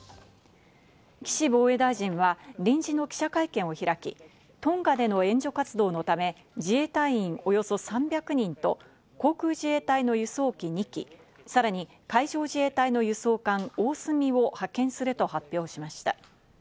岸防衛大臣は臨時の記者会見を開き、トンガでの援助活動のため自衛隊員およそ３００人と、航空自衛隊の輸送機２機、さらに海上自衛隊の輸送艦おおすみを派遣すると発表しました。